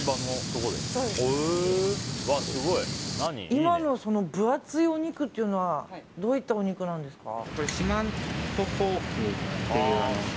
今の分厚いお肉っていうのはどういったお肉なんですか？